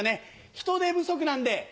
人手不足なんで。